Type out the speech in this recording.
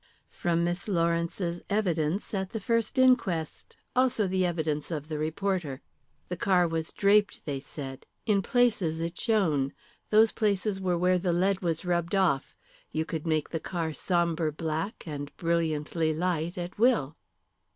"From Miss Lawrence's evidence at the first inquest. Also the evidence of the reporter. The car was draped, they said. In places it shone. Those places were where the lead was rubbed off; you could make the car sombre black and brilliantly light at will.